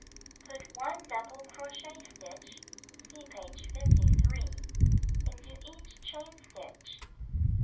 Put 1 double crochet stitch (see page 53) into each chain stitch.